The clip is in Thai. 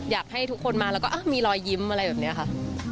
อยากให้ทุกคนมาแล้วก็มีรอยยิ้มอะไรแบบนี้ค่ะ